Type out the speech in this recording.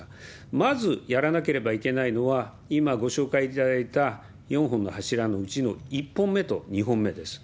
まずやらなければいけないのは、今ご紹介いただいた４本の柱のうちの１本目と２本目です。